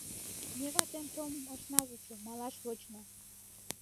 Ме ватем толмым ышна вучо — малаш вочна.